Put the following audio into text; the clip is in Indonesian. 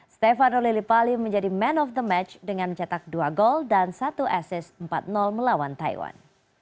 stefano lillipali menjadi man of the match dengan mencetak dua gol dan satu asis empat melawan taiwan